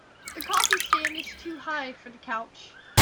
The coffee stand is too high for the couch.